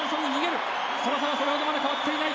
その差はそれほど変わっていない。